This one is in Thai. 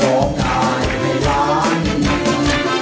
ร้องได้ให้ล้าน